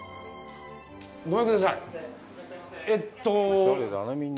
ごめんください。